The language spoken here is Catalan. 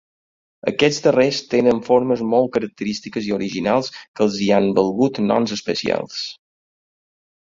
Aquests darrers tenen formes molt característiques i originals que els hi han valgut noms especials.